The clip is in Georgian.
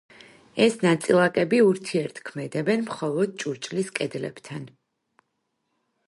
ეს ნაწილაკები ურთიერთქმედებენ მხოლოდ ჭურჭლის კედლებთან.